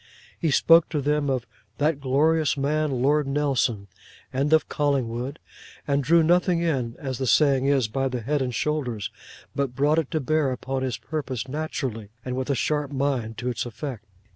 He spoke to them of 'that glorious man, Lord Nelson,' and of Collingwood; and drew nothing in, as the saying is, by the head and shoulders, but brought it to bear upon his purpose, naturally, and with a sharp mind to its effect.